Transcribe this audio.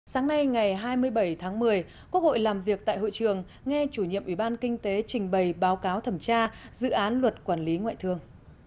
sáng nay ngày hai mươi bảy tháng một mươi quốc hội làm việc tại hội trường nghe chủ nhiệm ủy ban kinh tế trình bày báo cáo thẩm tra dự án luật quản lý ngoại thương